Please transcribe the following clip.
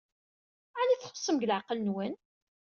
Ɛni txuṣṣem deg leɛqel-nwen?